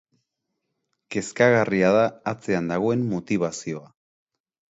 Kezkagarria da atzean dagoen motibazioa.